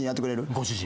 ご主人？